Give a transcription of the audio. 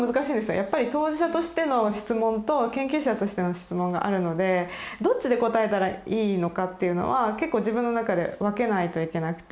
やっぱり当事者としての質問と研究者としての質問があるのでどっちで答えたらいいのかっていうのは結構自分の中で分けないといけなくて。